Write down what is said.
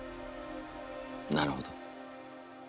なるほど。